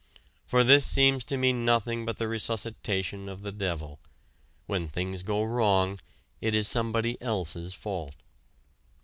For this seems to me nothing but the resuscitation of the devil: when things go wrong it is somebody else's fault.